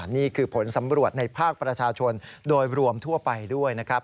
นี่คือผลสำรวจในภาคประชาชนโดยรวมทั่วไปด้วยนะครับ